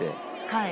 はい。